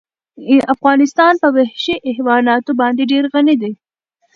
افغانستان په وحشي حیواناتو باندې ډېر غني دی.